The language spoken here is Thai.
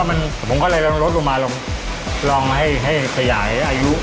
อันนี้ก็ผมคิดว่าผมก็เลยร่งรดลงมาลองให้ทยาให้อายุ